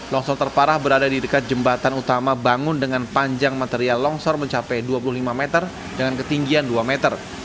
longsor terparah berada di dekat jembatan utama bangun dengan panjang material longsor mencapai dua puluh lima meter dengan ketinggian dua meter